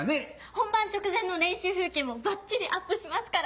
本番直前の練習風景もばっちりアップしますから！